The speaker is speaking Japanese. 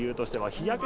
日焼け？